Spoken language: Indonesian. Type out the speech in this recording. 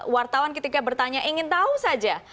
wartawan ketika bertanya ingin tahu saja